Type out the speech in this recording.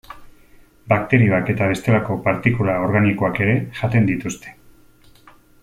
Bakterioak eta bestelako partikula organikoak ere jaten dituzte.